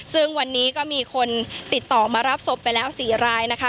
ซึ่งวันนี้ก็มีคนติดต่อมารับศพไปแล้ว๔รายนะคะ